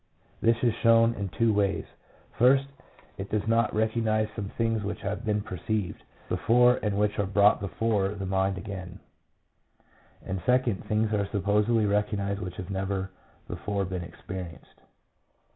This is shown in two ways. First, it does not recognize *J2 PSYCHOLOGY OF ALCOHOLISM. some things which have been perceived before, and which are brought before the mind again ; and second, things are supposedly recognized which have never before been experienced.